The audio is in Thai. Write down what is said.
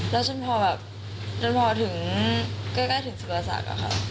แล้วจนพอถึงกล้ายถึงศุกษาศักดิ์อะคะ